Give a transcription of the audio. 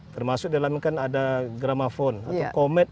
termasuk dalamnya kan ada gramofon atau komet